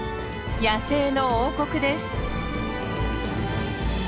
野生の王国です。